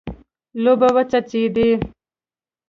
اوبه وڅڅېدې.